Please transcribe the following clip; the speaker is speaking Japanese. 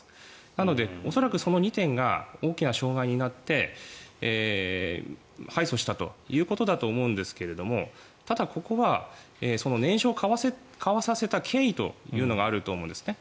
なので恐らくその２点が大きな障害になって敗訴したということだと思うんですがただ、ここはその念書を交わさせた経緯というのがあると思うんですね。